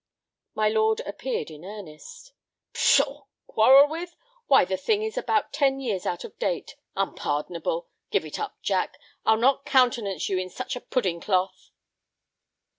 My lord appeared in earnest. "Pshaw! Quarrel with? Why, the thing is about ten years out of date. Unpardonable! Give it up, Jack; I'll not countenance you in such a pudding cloth."